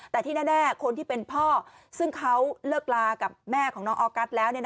แต่ที่แน่คนที่เป็นพ่อซึ่งเขาเลิกลากับแม่ของน้องออกัสแล้ว